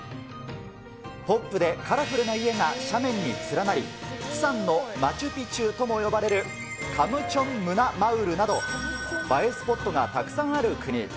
ポップでカラフルな家が斜面に連なり、プサンのマチュピチュとも呼ばれるカムチョンムナマウルなど、映えスポットがたくさんある国。